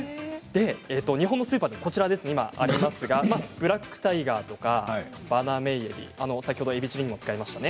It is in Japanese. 日本のスーパー、今こちらに並んでいますがブラックタイガーとかバナメイエビ先ほど、えびチリにも使いましたね。